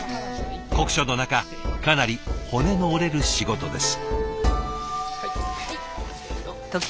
酷暑の中かなり骨の折れる仕事です。